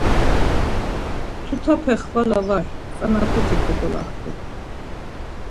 Tutape xvala var tzanapeti kogolaxtu.